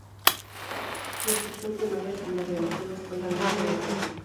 La instrucción primaria la realizó en la escuela Anexa de Saltillo.